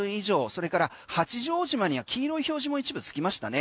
それから八丈島には黄色い表示も一部つきましたね。